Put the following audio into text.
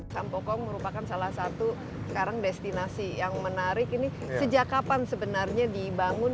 sampokong merupakan salah satu sekarang destinasi yang menarik ini sejak kapan sebenarnya dibangun